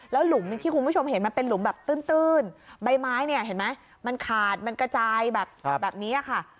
หลุมที่คุณผู้ชมเห็นมันเป็นหลุมแบบตื้นใบไม้เนี่ยเห็นไหมมันขาดมันกระจายแบบนี้ค่ะ